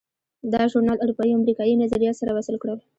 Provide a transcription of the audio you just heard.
دا ژورنال اروپایي او امریکایي نظریات سره وصل کړل.